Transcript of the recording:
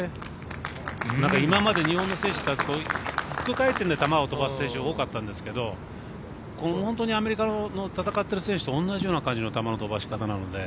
今まで日本の選手たちフック回転で球を飛ばす選手多かったんですけど、本当にアメリカの戦ってる選手と同じような感じの球の飛ばし方なので。